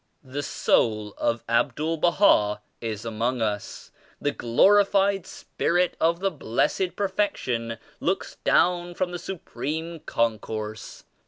The soul of Abdul Baha is among us; the glorified Spirit of the Blessed Perfection looks down from the Su preme Concourse.